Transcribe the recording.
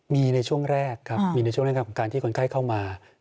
มีในช่วงแรกครับมีในช่วงแรกของการที่คนไข้เข้ามา